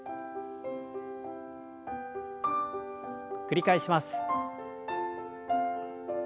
繰り返します。